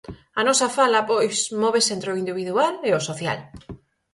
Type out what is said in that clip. A nosa fala, pois, móvese entre o individual e o social.